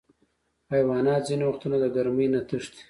حیوانات ځینې وختونه د ګرمۍ نه تښتي.